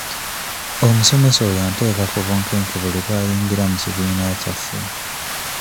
Omusomesa oyo anteeka ku bunkenke buli lw'ayingira mu kibiina kyaffe.